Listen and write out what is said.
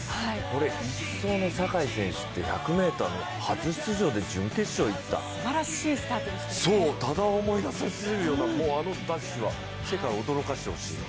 これ、１走の坂井選手って１００ｍの初出場で準決勝にいった、多田を思い出させるような、あのダッシュは世界を驚かせてほしい。